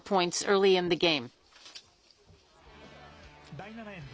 第７エンド。